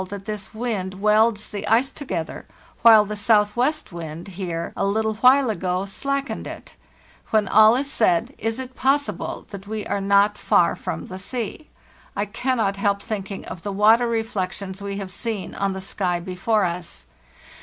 tw ie & A COIGN OF VANTAGE. PACKED ICE BY SLEDGE AND KAYAK 253 this wind welds the ice together, while the southwest wind here a little while ago slackened it. When all is said, is it possible that we are not far from the sea? I cannot help thinking of the water reflections we have seen on the sky before us.